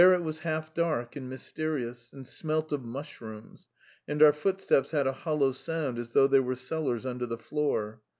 It was dark and mysterious and smelled of mushrooms, and our footsteps made a hollow sound as though there were a vault under the floor.